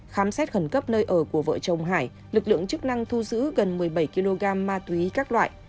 khám xét khẩn cấp nơi ở của vợ chồng hải lực lượng chức năng thu giữ gần một mươi bảy kg ma túy các loại